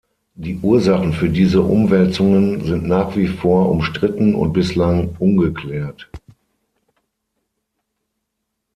Die Ursachen für diese Umwälzungen sind nach wie vor umstritten und bislang ungeklärt.